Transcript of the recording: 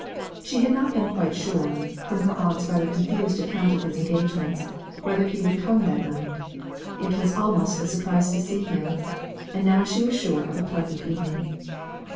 She had not been quite sure, from her aunt's rather confused account of his engagements, whether he would come that night; it was almost a surprise to see him; and now she was sure of a pleasant evening.